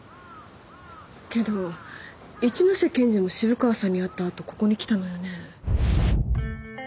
けど一ノ瀬検事も渋川さんに会ったあとここに来たのよね。